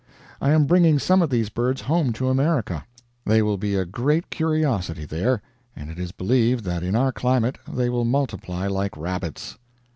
I am bringing some of these birds home to America. They will be a great curiosity there, and it is believed that in our climate they will multiply like rabbits.